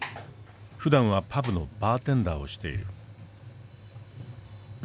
ふだんはパブのバーテンダーをしている。